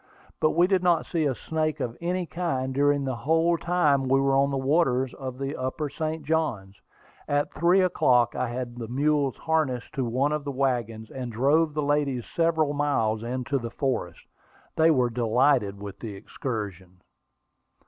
But we did not see a snake of any kind during the whole time we were on the waters of the upper St. Johns. At three o'clock I had the mules harnessed to one of the wagons, and drove the ladies several miles into the forest; they were delighted with the excursion.